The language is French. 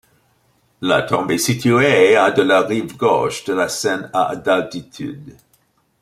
La tombe est située à de la rive gauche de la Seine à d'altitude.